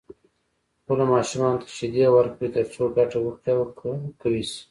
خپلو ماشومانو ته شيدې ورکړئ تر څو ګټه ورکړي او قوي شي.